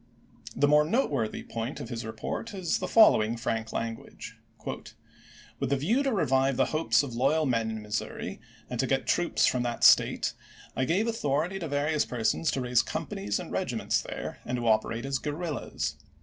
The more noteworthy point of his report ^%'.^u}" is the following frank language: "With the view to revive the hopes of loyal men in Missouri, and to get troops from that State, I gave authority to various persons to raise companies and regiments there, and to operate as guerrillas.